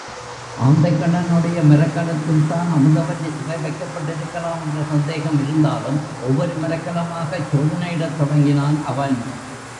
ஆந்தைக்கண்ணனுடைய மரக்கலத்தில்தான் அமுதவல்லி சிறை வைக்கப்பட்டிருக்கலாம் என்ற சந்தேகம் இருந்தாலும் ஒவ்வொரு மரக்கலமாகச் சோதனையிடத் தொடங்கினான் அவன்.